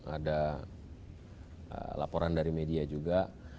ada laporan dari media juga